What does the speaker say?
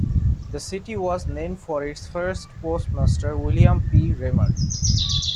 The city was named for its first postmaster, William P. Remer.